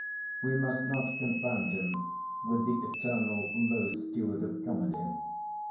We must not confound him with the eternal old, low steward of comedy.